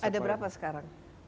ada berapa sekarang